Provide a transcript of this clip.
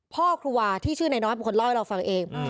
พ่อครัวที่ชื่อนายน้อยเป็นคนเล่าให้เราฟังเอง